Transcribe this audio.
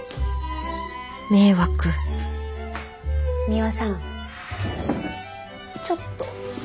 迷惑ミワさんちょっと。